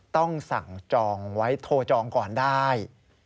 ต้องสั่งจองไว้โทรจองก่อนได้